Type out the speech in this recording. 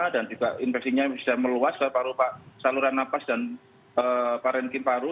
dan juga infeksinya bisa meluas ke saluran nafas dan parenkim paru